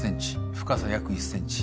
深さ約１ｃｍ。